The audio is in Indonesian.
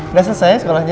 udah selesai ya sekolahnya